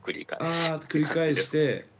あ繰り返して。